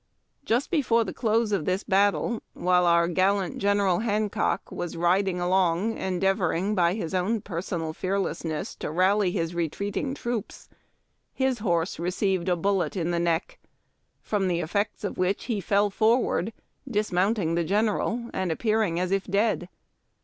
Just before the close of this battle, while our gallant General Hancock was riding along endeavoring by his own personal fearless ness to rally his retreating troops, his horse received a bullet in the neck, from the effects of which he fell forward, dismounting the general, and appearing as if dead.